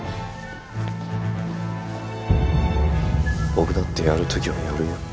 僕だってやるときはやるよ。